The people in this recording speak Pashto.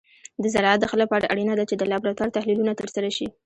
د زراعت د ښه لپاره اړینه ده چې د لابراتور تحلیلونه ترسره شي.